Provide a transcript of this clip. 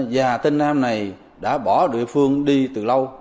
và tên nam này đã bỏ địa phương đi từ lâu